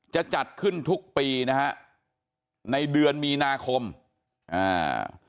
จะจัดขึ้นทุกปีนะฮะในเดือนมีนาคมอ่า